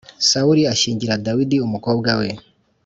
Sawuli ashyingira Dawidi umukobwa we